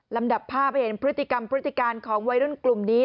ดับภาพให้เห็นพฤติกรรมพฤติการของวัยรุ่นกลุ่มนี้